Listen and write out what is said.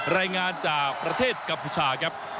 รายงานจากประเทศกัมพูชาครับ